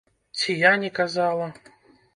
Ці я не казала!